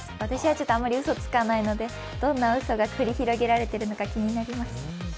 私はあまりうそはつかないので、どんなうそが繰り広げられているのか気になります。